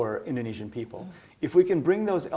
kapital manusia kapasitas manusia